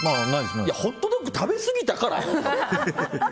ホットドッグ食べすぎたからよ。